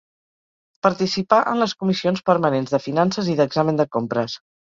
Participà en les Comissions permanents de Finances i d'Examen de Compres.